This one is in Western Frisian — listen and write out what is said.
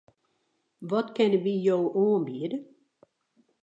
Wat kinne wy jo oanbiede?